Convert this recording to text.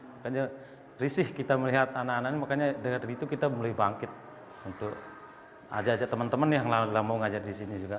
makanya risih kita melihat anak anak ini makanya dari itu kita mulai bangkit untuk ajak ajak teman teman yang lama lama ngajar di sini juga